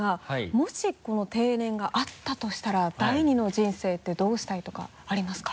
もし定年があったとしたら第二の人生ってどうしたいとかありますか？